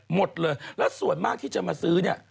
หมดเลยแล้วส่วนมากที่จะมาซื้อเนี่ย